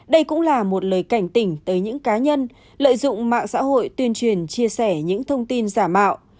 đây cũng là một lời cảnh tỉnh tới những cá nhân lợi dụng mạng xã hội tuyên truyền chia sẻ những thông tin giả mạo